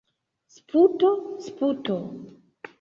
Sputo! Sputo!